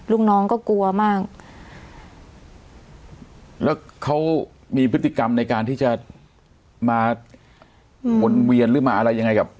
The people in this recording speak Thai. ลูกน้องก็กลัวมากแล้วเขามีพฤติกรรมในการที่จะมาวนเวียนหรือมาอะไรยังไงกับ